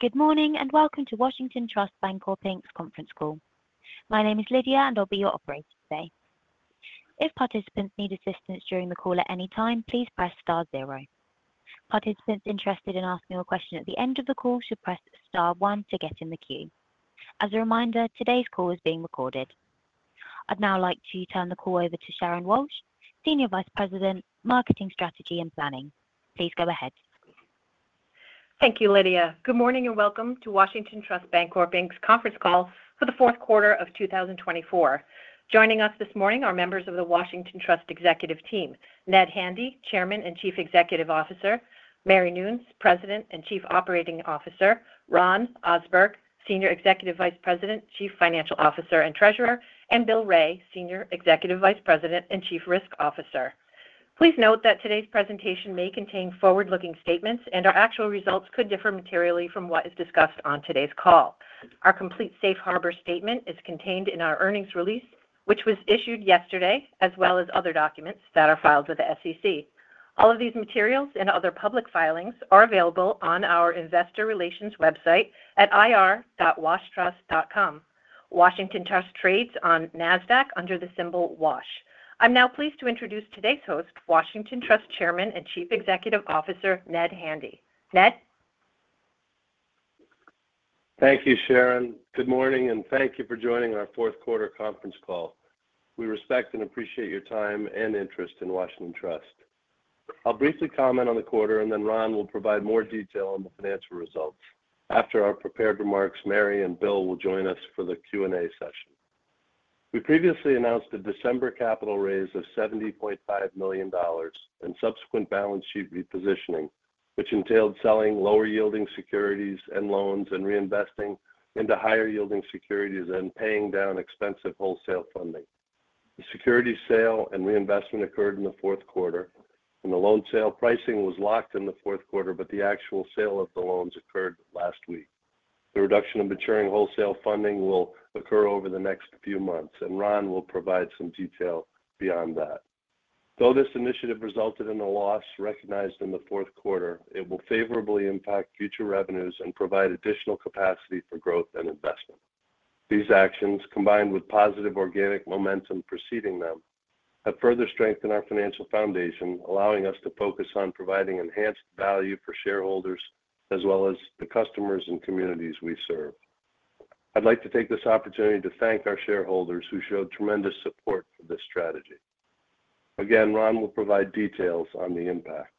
Good morning and welcome to Washington Trust Bancorp's Conference Call. My name is Lydia and I'll be your operator today. If participants need assistance during the call at any time, please press star zero. Participants interested in asking a question at the end of the call should press star one to get in the queue. As a reminder, today's call is being recorded. I'd now like to turn the call over to Sharon Walsh, Senior Vice President, Marketing Strategy and Planning. Please go ahead. Thank you, Lydia. Good morning and welcome to Washington Trust Bancorp's Conference Call for the fourth quarter of 2024. Joining us this morning are members of the Washington Trust executive team, Ned Handy, Chairman and Chief Executive Officer, Mary Noons, President and Chief Operating Officer, Ron Ohsberg, Senior Executive Vice President, Chief Financial Officer and Treasurer, and Bill Wray, Senior Executive Vice President and Chief Risk Officer. Please note that today's presentation may contain forward-looking statements and our actual results could differ materially from what is discussed on today's call. Our complete Safe Harbor statement is contained in our earnings release, which was issued yesterday, as well as other documents that are filed with the SEC. All of these materials and other public filings are available on our investor relations website at ir.washtrust.com. Washington Trust trades on NASDAQ under the symbol WASH. I'm now pleased to introduce today's host, Washington Trust Chairman and Chief Executive Officer Ned Handy. Ned? Thank you, Sharon. Good morning and thank you for joining our fourth quarter conference call. We respect and appreciate your time and interest in Washington Trust. I'll briefly comment on the quarter and then Ron will provide more detail on the financial results. After our prepared remarks, Mary and Bill will join us for the Q&A session. We previously announced a December capital raise of $70.5 million and subsequent balance sheet repositioning, which entailed selling lower yielding securities and loans and reinvesting into higher yielding securities and paying down expensive wholesale funding. The security sale and reinvestment occurred in the fourth quarter and the loan sale pricing was locked in the fourth quarter, but the actual sale of the loans occurred last week. The reduction of maturing wholesale funding will occur over the next few months and Ron will provide some detail beyond that. Though this initiative resulted in a loss recognized in the fourth quarter, it will favorably impact future revenues and provide additional capacity for growth and investment. These actions, combined with positive organic momentum preceding them, have further strengthened our financial foundation, allowing us to focus on providing enhanced value for shareholders as well as the customers and communities we serve. I'd like to take this opportunity to thank our shareholders who showed tremendous support for this strategy. Again, Ron will provide details on the impact.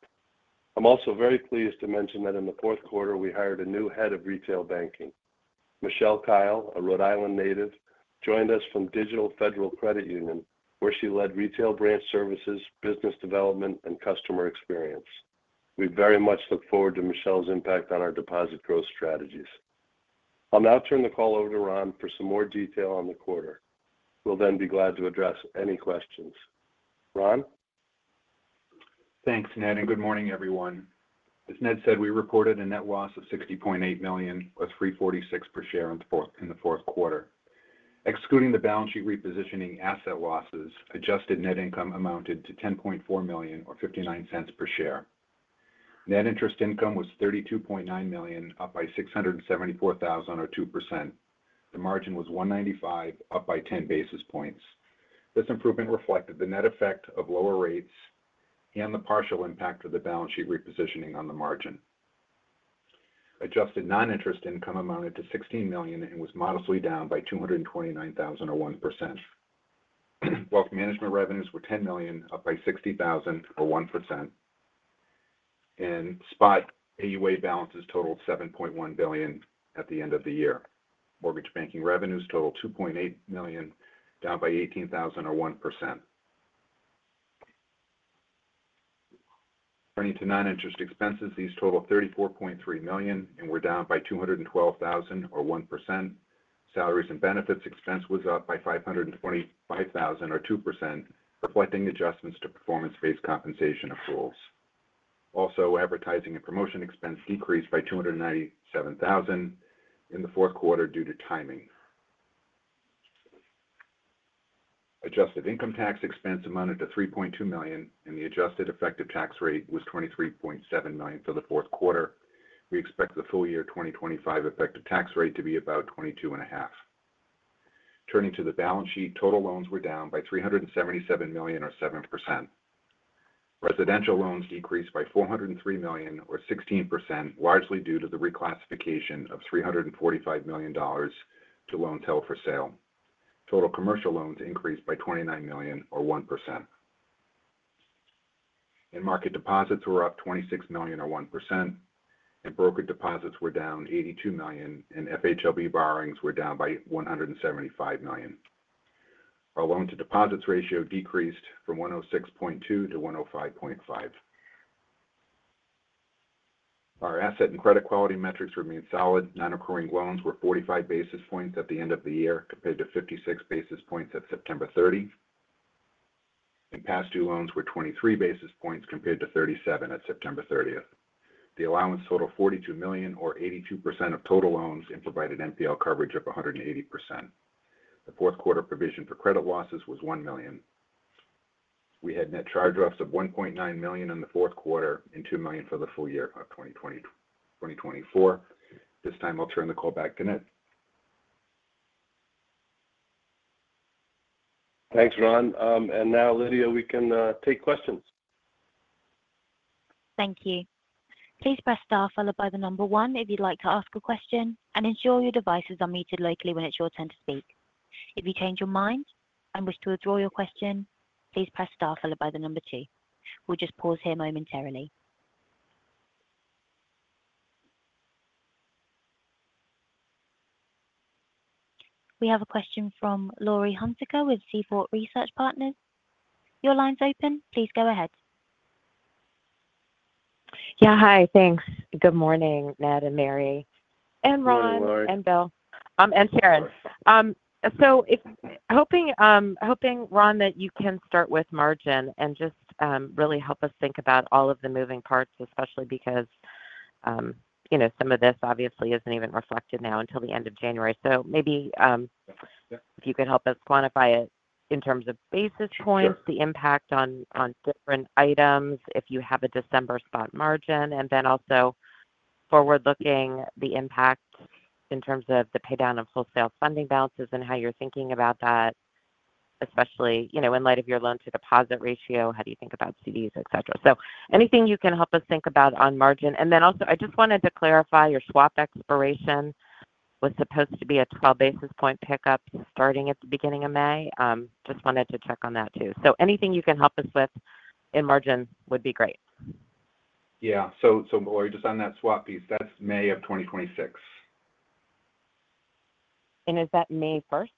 I'm also very pleased to mention that in the fourth quarter we hired a new head of retail banking. Michelle Kyle, a Rhode Island native, joined us from Digital Federal Credit Union, where she led retail branch services, business development, and customer experience. We very much look forward to Michelle's impact on our deposit growth strategies. I'll now turn the call over to Ron for some more detail on the quarter. We'll then be glad to address any questions. Ron? Thanks, Ned, and good morning, everyone. As Ned said, we reported a net loss of $60.8 million, or $3.46 per share, in the fourth quarter. Excluding the balance sheet repositioning asset losses, adjusted net income amounted to $10.4 million, or $0.59 per share. Net interest income was $32.9 million, up by $674,000, or 2%. The margin was 1.95%, up by 10 basis points. This improvement reflected the net effect of lower rates and the partial impact of the balance sheet repositioning on the margin. Adjusted non-interest income amounted to $16 million and was modestly down by $229,000, or 1%. Wealth management revenues were $10 million, up by $60,000, or 1%. And spot AUA balances totaled $7.1 billion at the end of the year. Mortgage banking revenues totaled $2.8 million, down by $18,000, or 1%. Turning to non-interest expenses, these totaled $34.3 million and were down by $212,000, or 1%. Salaries and benefits expense was up by $525,000, or 2%, reflecting adjustments to performance-based compensation accruals. Also, advertising and promotion expense decreased by $297,000 in the fourth quarter due to timing. Adjusted income tax expense amounted to $3.2 million and the adjusted effective tax rate was 23.7% for the fourth quarter. We expect the full year 2025 effective tax rate to be about 22.5%. Turning to the balance sheet, total loans were down by $377 million, or 7%. Residential loans decreased by $403 million, or 16%, largely due to the reclassification of $345 million to loans held for sale. Total commercial loans increased by $29 million, or 1%. And market deposits were up $26 million, or 1%. And brokered deposits were down $82 million, and FHLB borrowings were down by $175 million. Our loan-to-deposit ratio decreased from 106.2 to 105.5. Our asset and credit quality metrics remained solid. Non-accrual loans were 45 basis points at the end of the year, compared to 56 basis points at September 30, and past due loans were 23 basis points, compared to 37 at September 30. The allowance totaled $42 million, or 0.82% of total loans, and provided NPL coverage of 180%. The fourth quarter provision for credit losses was $1 million. We had net charge-offs of $1.9 million in the fourth quarter and $2 million for the full year of 2024. This time, I'll turn the call back to Ned. Thanks, Ron. And now, Lydia, we can take questions. Thank you. Please press star followed by the number one if you'd like to ask a question, and ensure your devices are muted locally when it's your turn to speak. If you change your mind and wish to withdraw your question, please press star followed by the number two. We'll just pause here momentarily. We have a question from Laurie Hunsicker with Seaport Research Partners. Your line's open. Please go ahead. Yeah, hi. Thanks. Good morning, Ned and Mary. Good morning. And Ron. Good morning. And Bill. And Sharon. So, hoping, Ron, that you can start with margin and just really help us think about all of the moving parts, especially because some of this obviously isn't even reflected now until the end of January. So, maybe if you could help us quantify it in terms of basis points, the impact on different items, if you have a December spot margin, and then also forward-looking, the impact in terms of the pay down of wholesale funding balances and how you're thinking about that, especially in light of your loan-to-deposit ratio, how do you think about CDs, etc. So, anything you can help us think about on margin. And then also, I just wanted to clarify your swap expiration was supposed to be a 12 basis point pickup starting at the beginning of May. Just wanted to check on that too. So anything you can help us with in margin would be great. Yeah. So Laurie, just on that swap piece, that's May of 2026. Is that May 1st?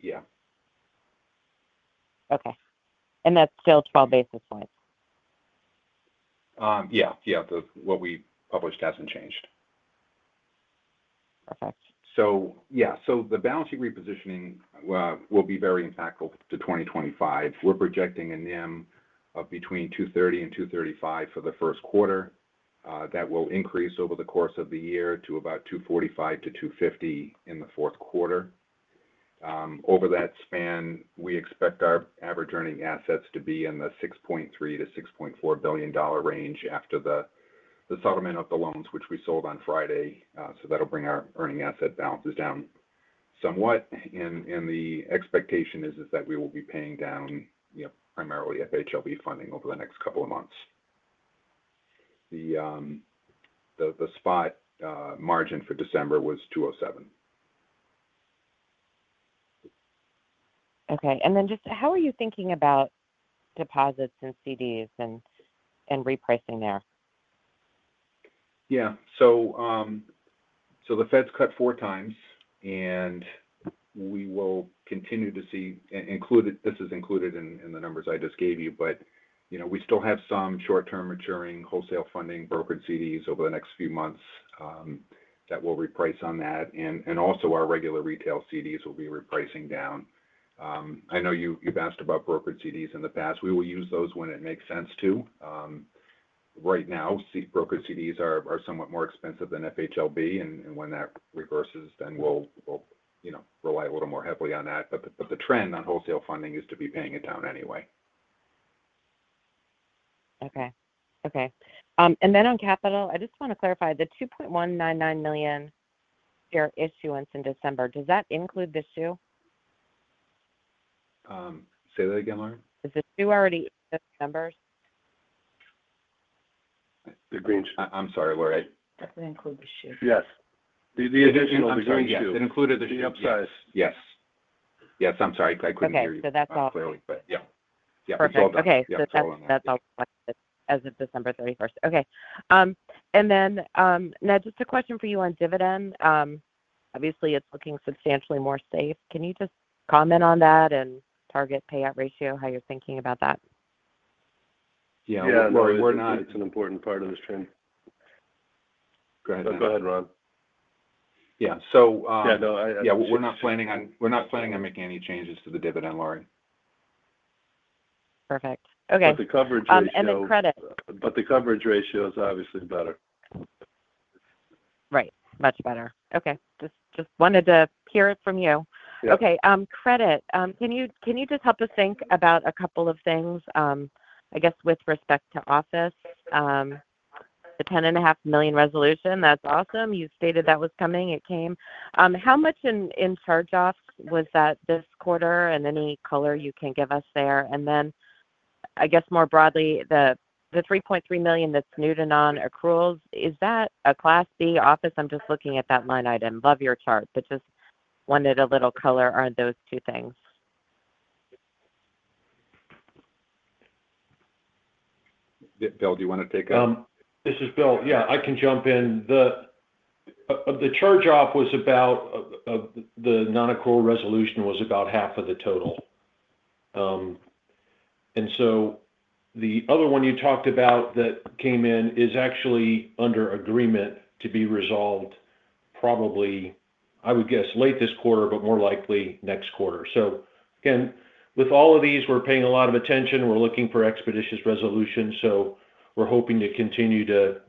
Yeah. Okay, and that's still 12 basis points? Yeah. Yeah. What we published hasn't changed. Perfect. Yeah. The balance sheet repositioning will be very impactful to 2025. We're projecting a NIM of between 2.30% and 2.35% for the first quarter. That will increase over the course of the year to about 2.45%-2.50% in the fourth quarter. Over that span, we expect our average earning assets to be in the $6.3 billion to $6.4 billion range after the settlement of the loans, which we sold on Friday. That'll bring our earning asset balances down somewhat, and the expectation is that we will be paying down primarily FHLB funding over the next couple of months. The spot margin for December was 2.07%. Okay. And then just how are you thinking about deposits and CDs and repricing there? Yeah, so the Fed's cut four times, and we will continue to see, this is included in the numbers I just gave you, but we still have some short-term maturing wholesale funding brokered CDs over the next few months that will reprice on that, and also, our regular retail CDs will be repricing down. I know you've asked about brokered CDs in the past. We will use those when it makes sense to. Right now, brokered CDs are somewhat more expensive than FHLB, and when that reverses, then we'll rely a little more heavily on that, but the trend on wholesale funding is to be paying it down anyway. Okay. Okay, and then on capital, I just want to clarify the 2.199 million issuance in December. Does that include the shoe? Say that again, Laurie. Is the shoe already in those numbers? I'm sorry, Laurie. Does it include the shoe? Yes. The additional is the shoe. It included the shoe upsize. Yes. Yes. I'm sorry. I couldn't hear you clearly, but yeah. Okay. So that's all done. Yep. Yep. It's all done. Okay. So that's all collected as of December 31st. Okay. And then, Ned, just a question for you on dividend. Obviously, it's looking substantially more safe. Can you just comment on that and target payout ratio, how you're thinking about that? Yeah. Yeah. Laurie, it's an important part of this trend. Go ahead, Ron. Yeah. So. Yeah. No. Yeah. We're not planning on making any changes to the dividend, Laurie. Perfect. Okay. But the coverage is better. And the credit. But the coverage ratio is obviously better. Right. Much better. Okay. Just wanted to hear it from you. Okay. Credit, can you just help us think about a couple of things, I guess, with respect to office? The $10.5 million resolution, that's awesome. You stated that was coming. It came. How much in charge-offs was that this quarter and any color you can give us there? And then, I guess, more broadly, the $3.3 million that's new to non-accruals, is that a Class B office? I'm just looking at that line item. Love your chart, but just wanted a little color on those two things. Bill, do you want to take that? This is Bill. Yeah, I can jump in. The charge-off was about the non-accrual resolution was about half of the total. And so the other one you talked about that came in is actually under agreement to be resolved, probably. I would guess late this quarter, but more likely next quarter. So again, with all of these, we're paying a lot of attention. We're looking for expeditious resolution. So we're hoping to continue to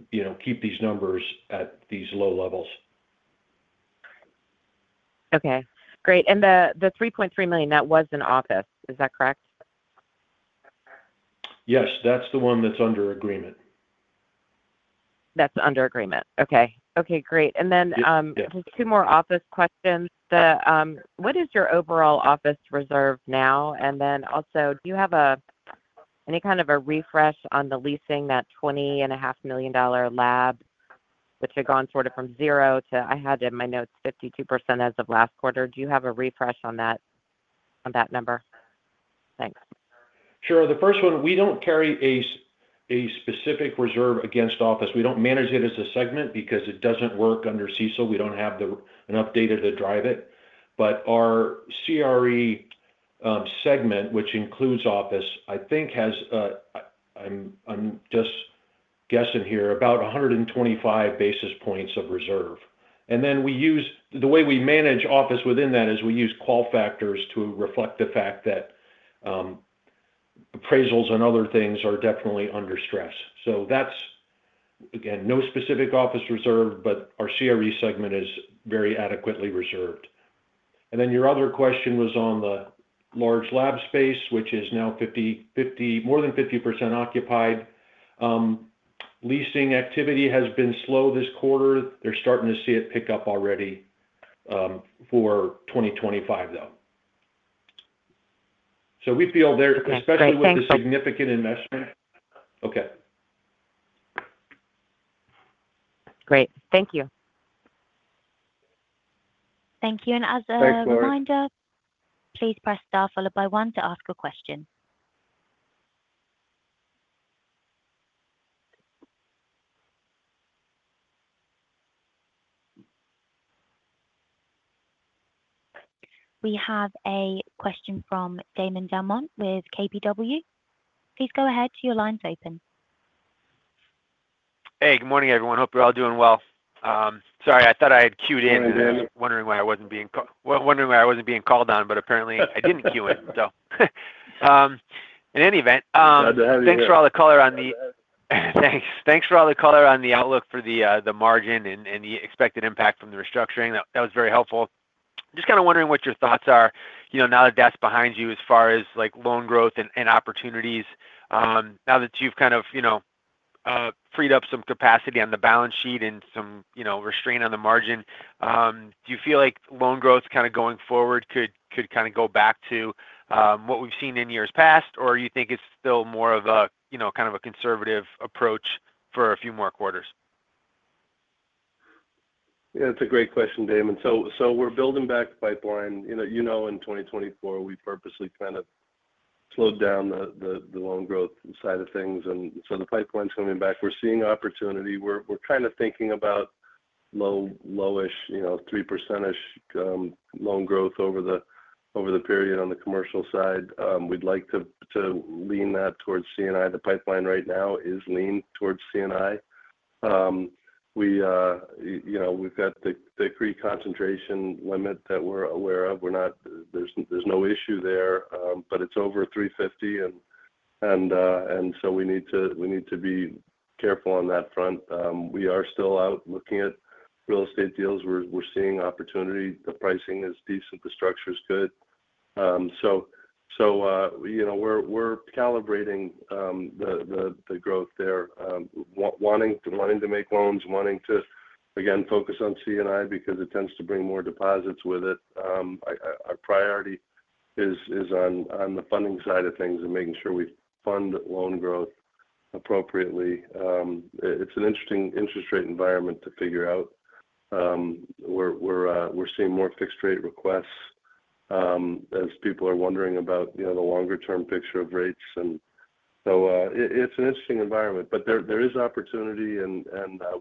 keep these numbers at these low levels. Okay. Great. And the $3.3 million, that was in office. Is that correct? Yes. That's the one that's under agreement. That's under agreement. Okay. Okay. Great. And then just two more office questions. What is your overall office reserve now? And then also, do you have any kind of a refresh on the leasing, that $20.5 million lab, which had gone sort of from zero to—I had in my notes 52% as of last quarter. Do you have a refresh on that number? Thanks. Sure. The first one, we don't carry a specific reserve against office. We don't manage it as a segment because it doesn't work under C&I. We don't have an update to drive it. But our CRE segment, which includes office, I think has, I'm just guessing here, about 125 basis points of reserve. And then the way we manage office within that is we use qual factors to reflect the fact that appraisals and other things are definitely under stress. So that's, again, no specific office reserve, but our CRE segment is very adequately reserved. And then your other question was on the large lab space, which is now more than 50% occupied. Leasing activity has been slow this quarter. They're starting to see it pick up already for 2025, though. So we feel they're especially with the significant investment. Okay. Great. Thank you. Thank you. As a reminder. Thanks, Laurie. Please press star followed by one to ask a question. We have a question from Damon DelMonte with KBW. Please go ahead. Your line is open. Hey. Good morning, everyone. Hope you're all doing well. Sorry. I thought I had queued in. Oh, yeah. Wondering why I wasn't being called on, but apparently, I didn't queue in, so. In any event, thanks for all the color on the outlook for the margin and the expected impact from the restructuring. That was very helpful. Just kind of wondering what your thoughts are now that that's behind you as far as loan growth and opportunities. Now that you've kind of freed up some capacity on the balance sheet and some restraint on the margin, do you feel like loan growth kind of going forward could kind of go back to what we've seen in years past, or you think it's still more of a kind of a conservative approach for a few more quarters? Yeah. It's a great question, Damon. So we're building back the pipeline. You know in 2024, we purposely kind of slowed down the loan growth side of things, and so the pipeline's coming back. We're seeing opportunity. We're kind of thinking about lowish, 3%-ish loan growth over the period on the commercial side. We'd like to lean that towards C&I. The pipeline right now is leaning towards C&I. We've got the CRE concentration limit that we're aware of. There's no issue there, but it's over 350. And so we need to be careful on that front. We are still out looking at real estate deals. We're seeing opportunity. The pricing is decent. The structure's good. So we're calibrating the growth there, wanting to make loans, wanting to, again, focus on C&I because it tends to bring more deposits with it. Our priority is on the funding side of things and making sure we fund loan growth appropriately. It's an interesting interest rate environment to figure out. We're seeing more fixed-rate requests as people are wondering about the longer-term picture of rates. And so it's an interesting environment, but there is opportunity, and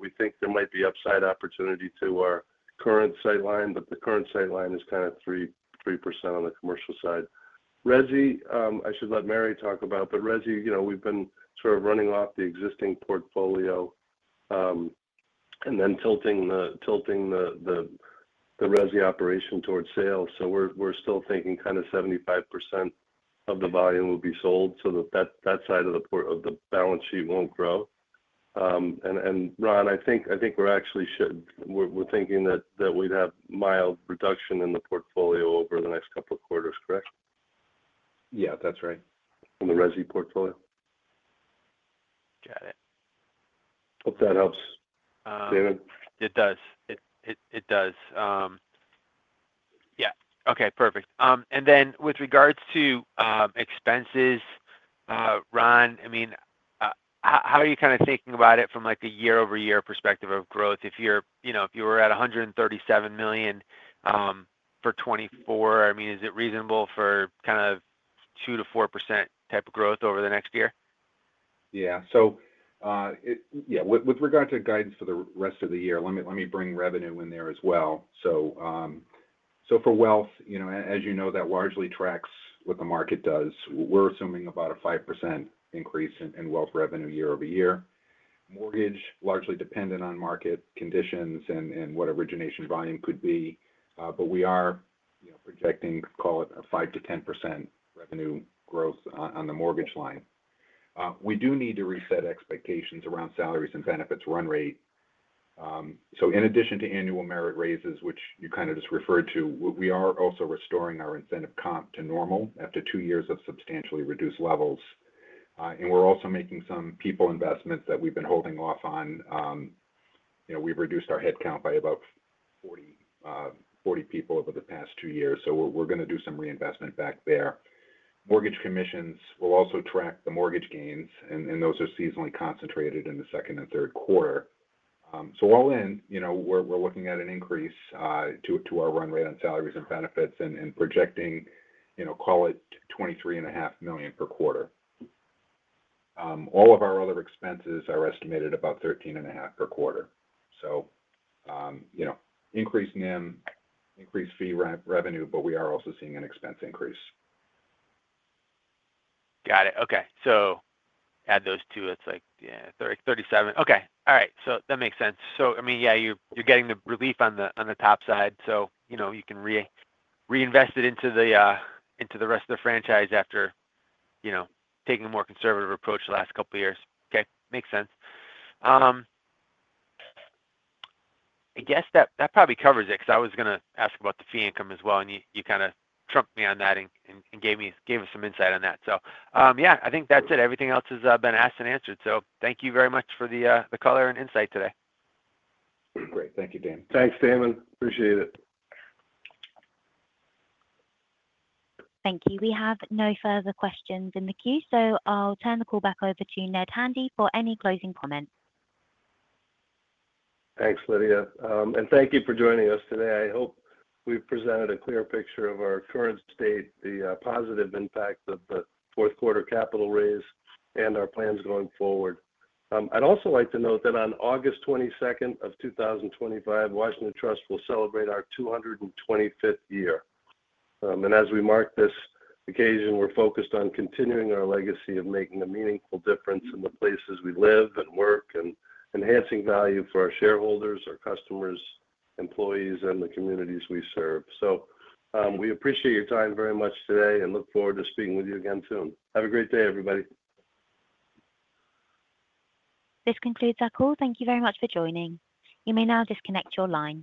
we think there might be upside opportunity to our current sightline, but the current sightline is kind of 3% on the commercial side. Resi, I should let Mary talk about, but Resi, we've been sort of running off the existing portfolio and then tilting the mortgage operation towards sales. So we're still thinking kind of 75% of the volume will be sold so that that side of the balance sheet won't grow. And Ron, I think we're actually, we're thinking that we'd have mild reduction in the portfolio over the next couple of quarters, correct? Yeah. That's right. In the Resi portfolio. Got it. Hope that helps, Damon. It does. It does. Yeah. Okay. Perfect. And then with regards to expenses, Ron, I mean, how are you kind of thinking about it from a year-over-year perspective of growth? If you were at $137 million for 2024, I mean, is it reasonable for kind of 2%-4% type of growth over the next year? Yeah, so yeah, with regard to guidance for the rest of the year, let me bring revenue in there as well, so for wealth, as you know, that largely tracks what the market does. We're assuming about a 5% increase in wealth revenue year over year. Mortgage, largely dependent on market conditions and what origination volume could be, but we are projecting, call it, a 5%-10% revenue growth on the mortgage line. We do need to reset expectations around salaries and benefits run rate, so in addition to annual merit raises, which you kind of just referred to, we are also restoring our incentive comp to normal after two years of substantially reduced levels, and we're also making some people investments that we've been holding off on. We've reduced our headcount by about 40 people over the past two years. So we're going to do some reinvestment back there. Mortgage commissions will also track the mortgage gains, and those are seasonally concentrated in the second and third quarter. So all in, we're looking at an increase to our run rate on salaries and benefits and projecting, call it, $23.5 million per quarter. All of our other expenses are estimated about $13.5 million per quarter. So increased NIM, increased fee revenue, but we are also seeing an expense increase. Got it. Okay. So add those two. It's like 37. Okay. All right. So that makes sense. So I mean, yeah, you're getting the relief on the top side. So you can reinvest it into the rest of the franchise after taking a more conservative approach the last couple of years. Okay. Makes sense. I guess that probably covers it because I was going to ask about the fee income as well, and you kind of trumped me on that and gave us some insight on that. So yeah, I think that's it. Everything else has been asked and answered. So thank you very much for the color and insight today. Great. Thank you, Damon. Thanks, Damon. Appreciate it. Thank you. We have no further questions in the queue. So I'll turn the call back over to Ned Handy for any closing comments. Thanks, Lydia. And thank you for joining us today. I hope we've presented a clear picture of our current state, the positive impact of the fourth quarter capital raise, and our plans going forward. I'd also like to note that on August 22nd of 2025, Washington Trust will celebrate our 225th year. And as we mark this occasion, we're focused on continuing our legacy of making a meaningful difference in the places we live and work and enhancing value for our shareholders, our customers, employees, and the communities we serve. So we appreciate your time very much today and look forward to speaking with you again soon. Have a great day, everybody. This concludes our call. Thank you very much for joining. You may now disconnect your line.